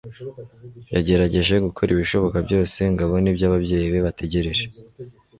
yagerageje gukora ibishoboka byose ngo abone ibyo ababyeyi be bategereje.